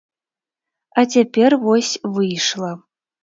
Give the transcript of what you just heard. А цяпер вось выйшла.